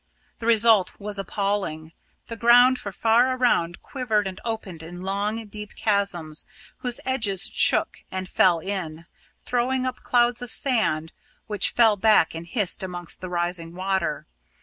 The result was appalling. The ground for far around quivered and opened in long deep chasms, whose edges shook and fell in, throwing up clouds of sand which fell back and hissed amongst the rising water.